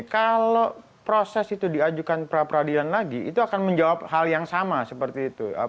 kalau proses itu diajukan pra peradilan lagi itu akan menjawab hal yang sama seperti itu